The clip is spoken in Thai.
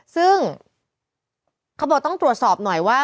ซึ่งเขาบอกต้องตรวจสอบหน่อยว่า